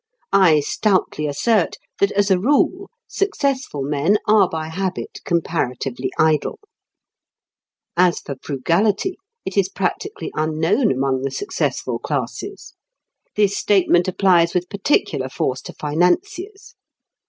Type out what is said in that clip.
I stoutly assert that as a rule successful men are by habit comparatively idle. As for frugality, it is practically unknown among the successful classes: this statement applies with particular force to financiers.